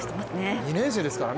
２年生ですからね。